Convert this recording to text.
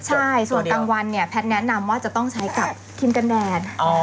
ใช่ส่วนกลางวันเนี่ยแพทย์แนะนำว่าจะต้องใช้กับคิมกันแดน